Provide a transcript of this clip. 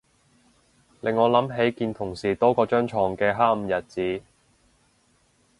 令我諗起見同事多過張牀嘅黑暗日子